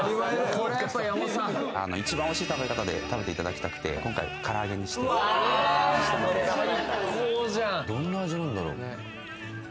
これはやっぱ山本さん一番おいしい食べ方で食べていただきたくて今回唐揚げにしてしたので・最高じゃんどんな味なんだろう・ねっ・